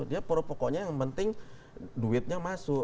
dia pro pokoknya yang penting duitnya masuk